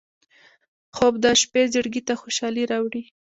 خوب د شپه زړګي ته خوشالي راوړي